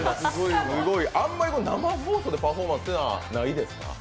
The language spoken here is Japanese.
あんまり生放送でパフォーマンスってないですか？